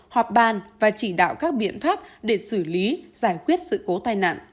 họp bàn và chỉ đạo các biện pháp để xử lý giải quyết